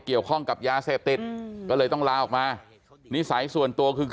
เกี่ยวข้องกับยาเสพติดก็เลยต้องลาออกมานิสัยส่วนตัวคือ